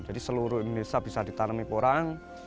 jadi seluruh indonesia bisa ditanami porang